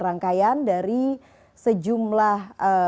rangkaian dari sejumlah